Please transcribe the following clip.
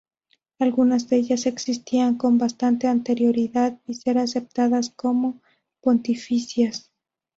Algunas de ellas existían con bastante anterioridad a ser aceptadas como "Pontificias".